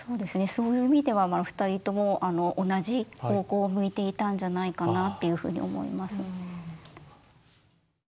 そういう意味では２人とも同じ方向を向いていたんじゃないかなっていうふうに思いますね。